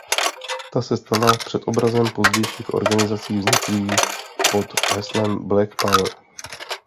Ta se stala předobrazem pozdějších organizací vzniklých pod heslem Black Power.